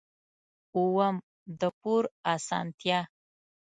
اووم: د پور اسانتیا.